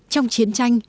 trong chiến tranh